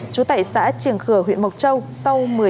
chú tại xã triềng khừa huyện mộc châu sau một mươi sáu năm lần trốn